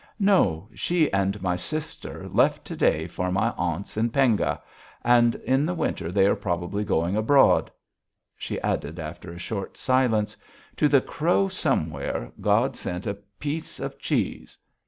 "No. She and my sister left to day for my Aunt's in Penga, and in the winter they are probably going abroad." She added after a short silence: "To the crow somewhere God sent a pi ece of cheese.